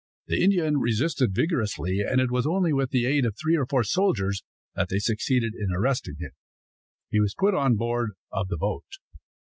The Indian resisted vigorously, and it was only with the aid of three or four soldiers that they succeeded in arresting him. He was put on board of the boat.